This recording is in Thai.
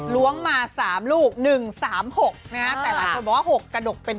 ล้วงมา๓ลูก๑๓๖นะฮะแต่หลายคนบอกว่า๖กระดกเป็น